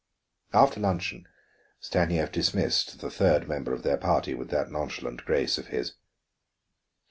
After luncheon Stanief dismissed the third member of their party with that nonchalant grace of his.